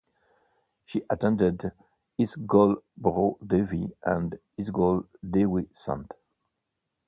She attended Ysgol Bro Dewi and Ysgol Dewi Sant.